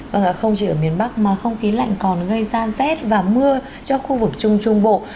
vâng ạ không chỉ ở miền bắc mà không khí lạnh còn gây ra rét và mưa cho khu vực trung trung bộ